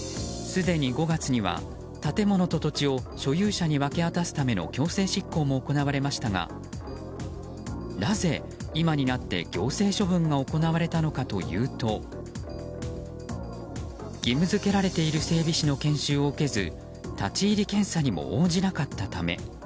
すでに５月には建物と土地を所有者の明け渡すための強制執行も行われましたがなぜ今になって行政処分が行われたのかというと義務付けられている整備士の研修を受けず立ち入り検査にも応じなかったため。